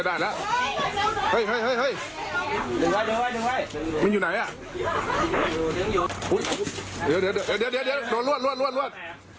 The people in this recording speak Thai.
แล้วสินไปให้กันต่อ